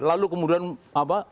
lalu kemudian apa